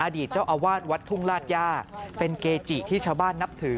อดีตเจ้าอาวาสวัดทุ่งลาดย่าเป็นเกจิที่ชาวบ้านนับถือ